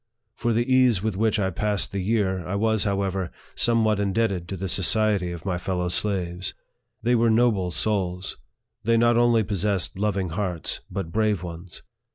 For the ease" with which I passed the year, I was, however, some what indebted to the society of my fellow slaves. They were noble souls ; they not only possessed loving hearts, but brave ones.